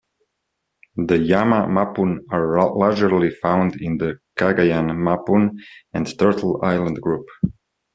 The Jama Mapun are largely found in the Cagayan Mapun and Turtle Island Group.